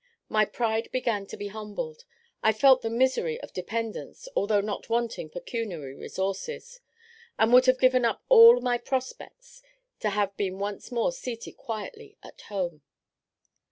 My pride began to be humbled. I felt the misery of dependence, although not wanting pecuniary resources; and would have given up all my prospects to have been once more seated quietly at home.